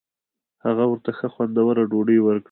هغه ورته ښه خوندوره ډوډۍ ورکړه.